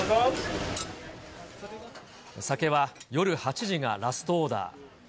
酒は夜８時がラストオーダー。